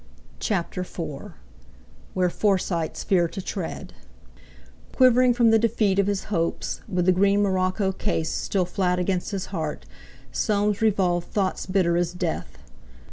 CHAPTER IV WHERE FORSYTES FEAR TO TREAD Quivering from the defeat of his hopes, with the green morocco case still flat against his heart, Soames revolved thoughts bitter as death.